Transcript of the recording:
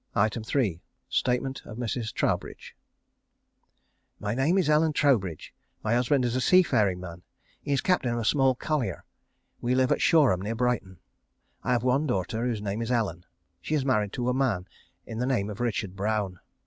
3. Statement of Mrs. Troubridge. My name is Ellen Troubridge. My husband is a seafaring man. He is captain of a small collier. We live at Shoreham, near Brighton. I have one daughter, whose name is Ellen. She is married to a man of the name of Richard Brown.